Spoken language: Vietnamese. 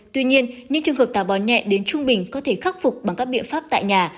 tuy nhiên những trường hợp tà bò nhẹ đến trung bình có thể khắc phục bằng các biện pháp tại nhà